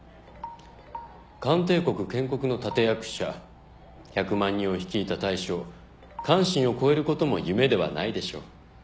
漢帝国建国の立役者１００万人を率いた大将韓信を超えることも夢ではないでしょう。